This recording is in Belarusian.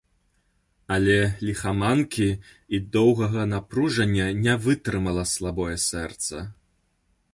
Але ліхаманкі і доўгага напружання не вытрымала слабое сэрца.